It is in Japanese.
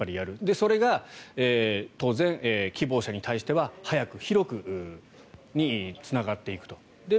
それが当然、希望者に対しては早く広くにつながっていくと。